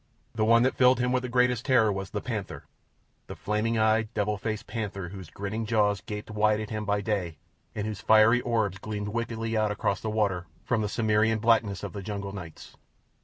The one that filled him with the greatest terror was the panther—the flaming eyed, devil faced panther whose grinning jaws gaped wide at him by day, and whose fiery orbs gleamed wickedly out across the water from the Cimmerian blackness of the jungle nights.